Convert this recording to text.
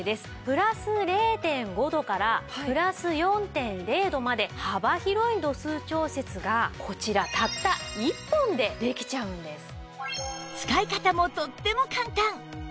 プラス０．５度からプラス４．０度まで幅広い度数調節がこちらたった１本でできちゃうんです。